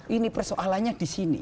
ini persoalannya di sini